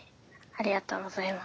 ありがとうございます。